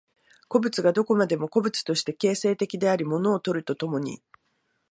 個物がどこまでも個物として形成的であり物を作ると共に、